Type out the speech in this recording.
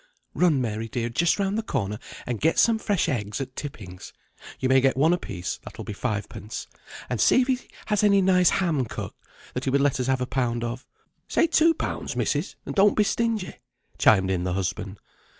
"Run, Mary dear, just round the corner, and get some fresh eggs at Tipping's (you may get one a piece, that will be five pence), and see if he has any nice ham cut, that he would let us have a pound of." "Say two pounds, missis, and don't be stingy," chimed in the husband.